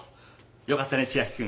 よかったね千秋君。